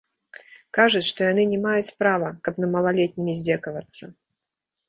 Кажуць, што яны не маюць права, каб над малалетнімі здзекавацца.